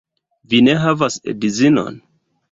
Vi ne havas edzinon?